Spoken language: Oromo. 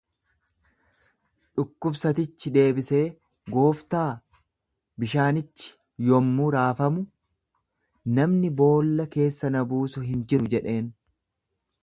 Dhukkubsatichi deebisee, Gooftaa, bishaanichi yommuu raafamu namni boolla keessa na buusu hin jiru jedheen.